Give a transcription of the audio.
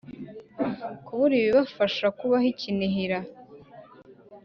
kubura ibibafasha kubaho i Kinihira